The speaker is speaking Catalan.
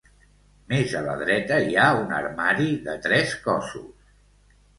Més a la dreta hi ha un armari de tres cossos.